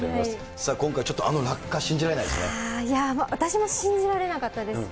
さあ、今回、ちょっとあの落下信私も信じられなかったです。